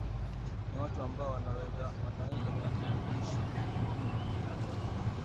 ni watu ambao wanaweza kudhibitiwa